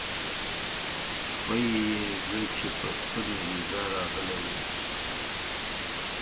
وې ئې زۀ چې پۀ سټوډنټ ويزا راغلی ووم